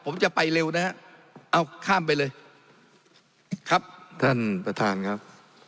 ผมจะไปเร็วนะฮะเอาข้ามไปเลยครับท่านประธานครับ